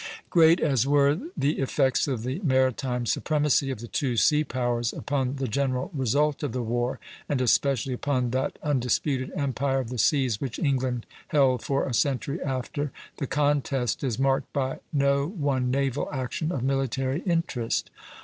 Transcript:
Great as were the effects of the maritime supremacy of the two sea powers upon the general result of the war, and especially upon that undisputed empire of the seas which England held for a century after, the contest is marked by no one naval action of military interest.